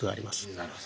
なるほど。